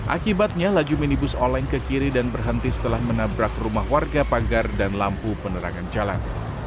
akibatnya laju minibus oleng ke kiri dan berhenti setelah menabrak rumah warga pagar dan lampu penerangan jalan